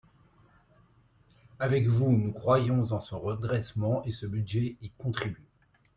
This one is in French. Avec vous, nous croyons en son redressement et ce budget y contribue